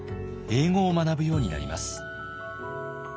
英語を学ぶようになります。